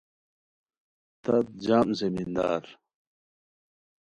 تت جم زمیندار